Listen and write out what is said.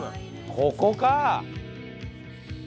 ここか！